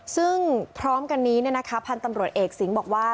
ซึ่งพร้อมกันนี้พันธุ์ตำรวจเอกสิงห์บอกว่า